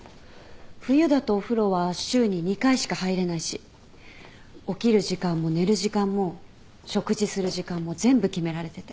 冬だとお風呂は週に２回しか入れないし起きる時間も寝る時間も食事する時間も全部決められてて。